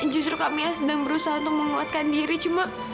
justru kamila sedang berusaha untuk menguatkan diri cuma